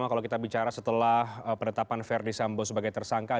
kalau kita bicara setelah penetapan verdi sambo sebagai tersangka